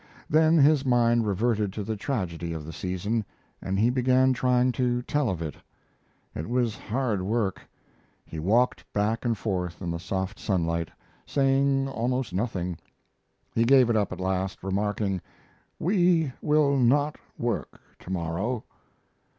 Then his mind reverted to the tragedy of the season, and he began trying to tell of it. It was hard work. He walked back and forth in the soft sunlight, saying almost nothing. He gave it up at last, remarking, "We will not work to morrow."